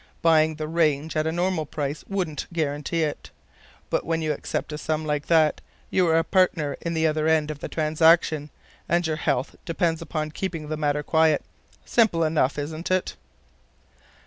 Buying the range at a normal price wouldn't guarantee it. But when you accept a sum like that, you're a partner in the other end of the transaction, and your health depends upon keeping the matter quiet. Simple enough, isn't it?"